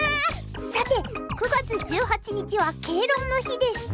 さて９月１８日は敬老の日です。